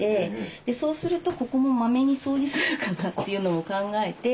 そうするとここもマメに掃除するかなというのも考えて。